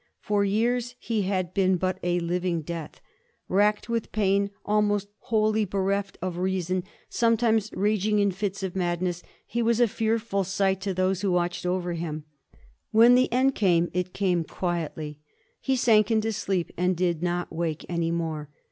For years he had been but in a living death. Backed with pain, almost wholly bereft of reason, sometimes rag ing in fits of madness, he was a fearful sight to those who watched over him. When the end came it came quietly. He sank into sleep and did not wake any more.